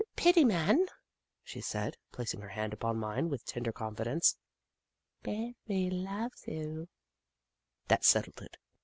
" Pitty man," she said, placing her hand upon mine with tender confidence. " Baby loves 'oo." That settled it.